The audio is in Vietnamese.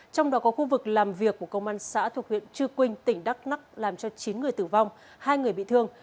trong đó có khu vực làm việc của công an xã thuộc huyện chư quynh tỉnh đắk lắc làm cho chín người tử vong hai người bị thương